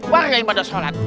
warna yang pada sholat